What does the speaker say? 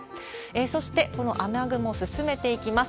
そしてこの雨雲、進めていきます。